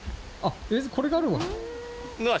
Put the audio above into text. これがあるのは？